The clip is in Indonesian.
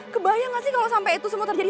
kebayang gak sih kalau sampai itu semua terjadi